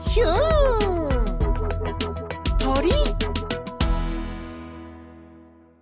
とり！